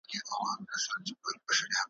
د بادار په اشاره پرې کړي سرونه `